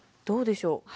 どうでしょう？